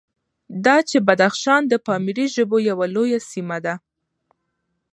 دا چې بدخشان د پامیري ژبو یوه لویه سیمه ده،